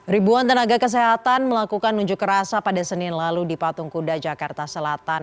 ribuan tenaga kesehatan melakukan unjuk rasa pada senin lalu di patung kuda jakarta selatan